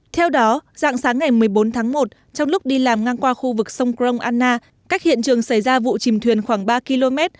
theo đó dạng sáng ngày một mươi bốn tháng một trong lúc đi làm ngang qua khu vực sông krong anna cách hiện trường xảy ra vụ chìm thuyền khoảng ba km